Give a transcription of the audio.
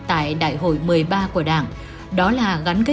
tại đại hội một mươi ba của đảng